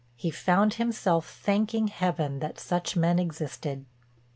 He found himself thanking heaven that such men existed.